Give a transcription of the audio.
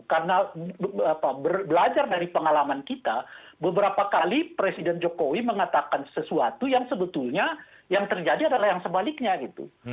karena belajar dari pengalaman kita beberapa kali presiden jokowi mengatakan sesuatu yang sebetulnya yang terjadi adalah yang sebaliknya gitu